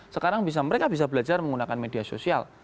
sekarang mereka bisa belajar menggunakan media sosial